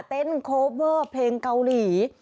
โคเวอร์เพลงเกาหลี